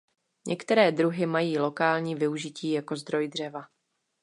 Některé druhy mají lokální využití jako zdroj dřeva.